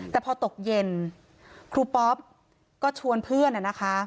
แต่พอตกเย็นครูปอปก็ชวนเพื่อนนะคะ